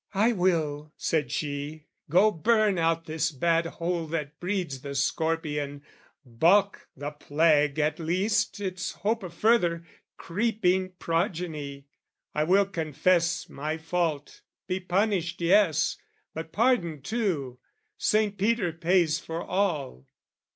"I will," said she, "go burn out this bad hole "That breeds the scorpion, baulk the plague at least "Its hope of further creeping progeny: "I will confess my fault, be punished, yes, "But pardoned too: Saint Peter pays for all."